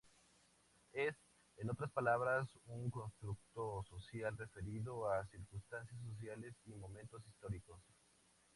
Es, en otras palabras, un constructo social referido a circunstancias sociales y momentos históricos.